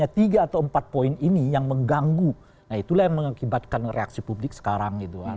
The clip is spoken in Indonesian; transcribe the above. jadi ketiga atau empat poin ini yang mengganggu itulah yang mengakibatkan reaksi publik sekarang